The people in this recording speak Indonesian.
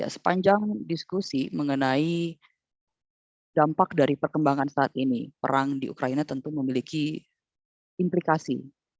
sepanjang diskusi mengenai dampak dari perkembangan saat ini perang di ukraina tentu memiliki implikasi